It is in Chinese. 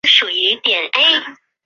阿尔卑斯圣昂德雷。